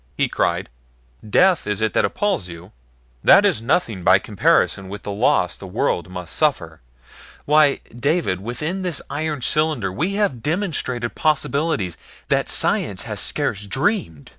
he cried. "Death is it that appalls you? That is nothing by comparison with the loss the world must suffer. Why, David within this iron cylinder we have demonstrated possibilities that science has scarce dreamed.